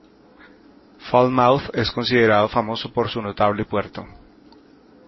Falmouth es considerado famoso por su notable puerto.